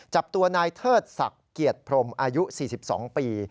จับตัวนายเทิดศักดิ์เกียรติพรมอายุ๔๒ปี